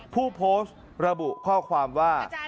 ผู้โพสต์ระบุข้อความว่า